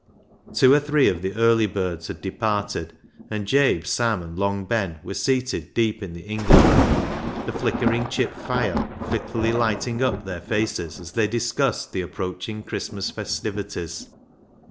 Two or three of the early birds had departed, and Jabe, Sam, and Long Ben were seated deep in the inglenook, the flickering chip fire fitfully THE HAUNTED MAN 395 lighting up their faces as they discussed the approaching Christmas festivities.